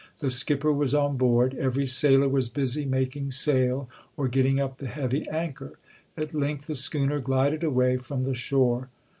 The skipper was on board. Every sailor was busy making sail or getting up the heavy anchor. At length the schooner glided away from the shore.